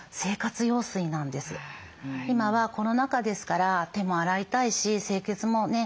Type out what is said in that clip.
今はコロナ禍ですから手も洗いたいし清潔もね